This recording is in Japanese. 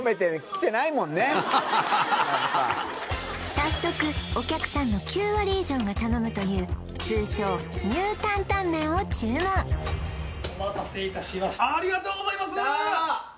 早速お客さんの９割以上が頼むという通称ニュータンタンメンを注文ありがとうございます！